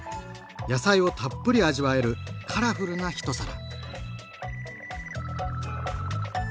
野菜をたっぷり味わえるカラフルな一皿！